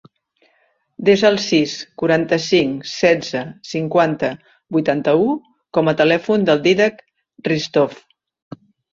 Desa el sis, quaranta-cinc, setze, cinquanta, vuitanta-u com a telèfon del Dídac Hristov.